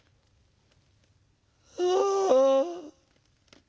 ああ」。